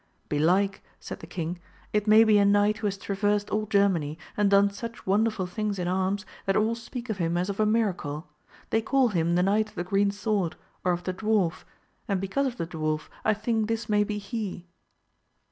Belike, said the king it may be a knight who has traversed all Germany, and done such wonderful things in arms, that all speak of him as of a miracle ; they call him the Knight of the Green Sword, or of the dwarf, and because of the dwarf I think this may be he.